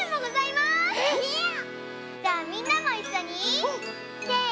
じゃあみんなもいっしょにせの。